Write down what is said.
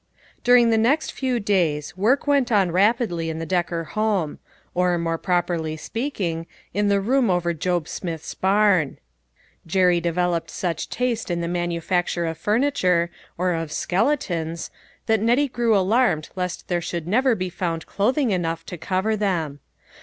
TIRING the next few days work went on rapidly in the Decker home : or, moi e properly speaking, in the room over Job Smith's barn. Jerry developed such taste in the man ufacture of furniture, or of " skeletons," that Nettie grew alarmed lest there should never be found clothing enough to cover them.